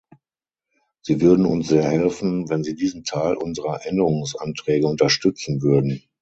Sie würden uns sehr helfen, wenn Sie diesen Teil unserer Änderungsanträge unterstützen würden.